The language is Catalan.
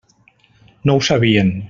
No ho sabien.